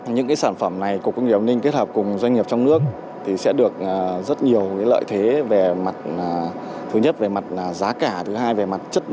những sản phẩm này cục công nghiệp an ninh kết hợp cùng doanh nghiệp trong nước thì sẽ được rất nhiều lợi thế về mặt thứ nhất về mặt giá cả thứ hai về mặt chất lượng